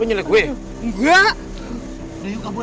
lah ini gue tuh mau kabur